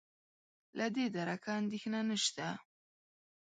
له دې درکه اندېښنه نشته.